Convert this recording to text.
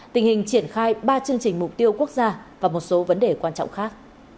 tình hình triển khai ba chương trình mục tiêu quốc gia và một số vấn đề quan trọng khác